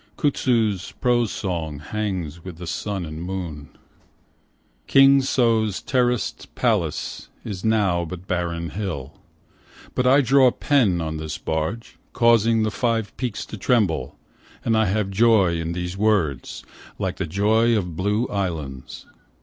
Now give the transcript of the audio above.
Kutsu's prose song Hangs with the sun and moon. King So's terraced palace is now but a barren hill, But I draw pen on this barge Causing the five peaks to tremble, And I have joy in these words like the joy of blue islands.